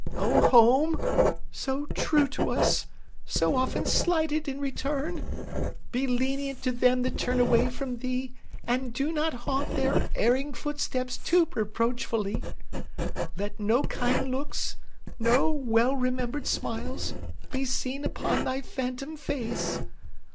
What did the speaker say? O Home, so true to us, so often slighted in return, be lenient to them that turn away from thee, and do not haunt their erring footsteps too reproachfully! Let no kind looks, no well remembered smiles, be seen upon thy phantom face.